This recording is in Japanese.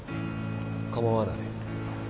構わない。